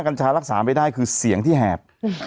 กัญชารักษาไม่ได้คือเสียงที่แหบ